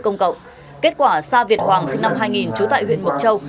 năm hai nghìn chú tại huyện mộc châu